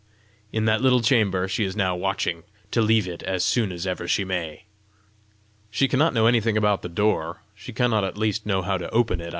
In that little chamber, she is now watching to leave it as soon as ever she may." "She cannot know anything about the door! she cannot at least know how to open it!"